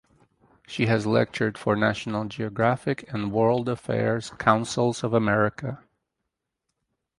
She has lectured for National Geographic and World Affairs Councils of America.